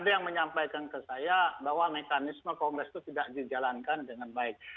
jadi ada yang menyampaikan ke saya bahwa mekanisme kongres itu tidak dijalankan dengan baik